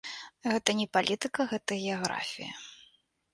Гэта не палітыка, гэта геаграфія.